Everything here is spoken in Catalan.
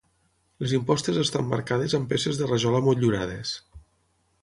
Les impostes estan marcades amb peces de rajola motllurades.